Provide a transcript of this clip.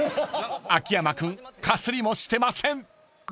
［秋山君かすりもしてません］